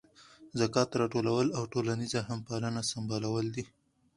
ذکات راټولول او ټولنیزه همپالنه سمبالول دي.